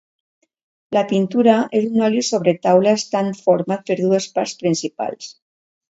La pintura és un oli sobre taula estant format per dues parts principals.